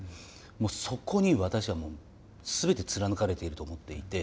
もうそこに私は全て貫かれていると思っていて。